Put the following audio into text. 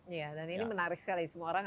iya dan ini menarik sekali semua orang